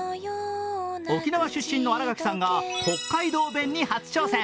沖縄出身の新垣さんが北海道弁に初挑戦。